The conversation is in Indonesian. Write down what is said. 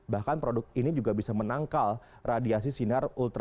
bahkan produk ini juga bisa menangkal radiasi sinar ultra